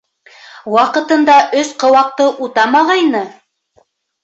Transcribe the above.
Ваҡытында өс ҡыуаҡты утамағайны...